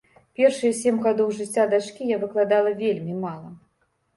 Першыя сем гадоў жыцця дачкі я выкладала вельмі мала.